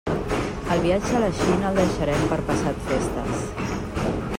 El viatge a la Xina el deixarem per passat festes.